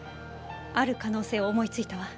ある可能性を思いついたわ。